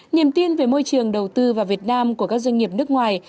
niềm tin về môi trường đầu tư vào việt nam của các doanh nghiệp nước ngoài